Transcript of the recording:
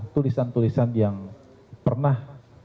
tulisan tulisan yang pernah